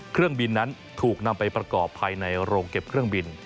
เครื่องบินนั้นถูกนำไปประกอบภายในโรงเก็บเครื่องบิน